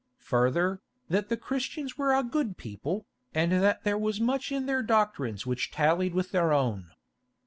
Further, that the Christians were a good people, and that there was much in their doctrines which tallied with their own.